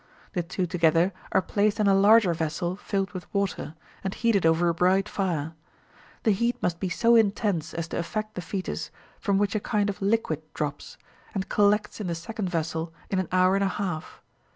The two together are placed in a larger vessel filled with water, and heated over a bright fire. The heat must be so intense as to affect the foetus, from which a kind of liquid drops, and collects in the second vessel in an hour and a half.